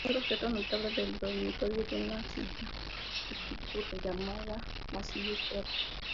Otro objeto notable en el dormitorio es una silla escultórica llamada la silla Strata.